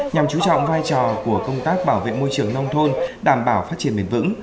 nhằm chú trọng vai trò của công tác bảo vệ môi trường nông thôn đảm bảo phát triển bền vững